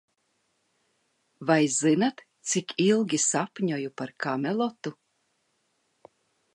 Vai zināt, cik ilgi sapņoju par Kamelotu?